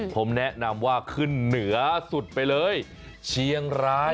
ผมแนะนำว่าขึ้นเหนือสุดไปเลยเชียงราย